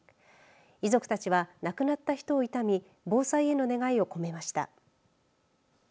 遺族たちは亡くなった人を悼み防災への願いを込めました。